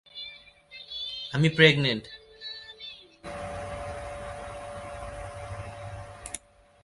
আমি প্রেগ্নেন্ট।"